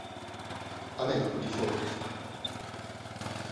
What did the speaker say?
雨が降りそうです。